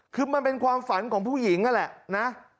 คือมันเป็นความฝันของผู้หญิงนั่นแหละนะ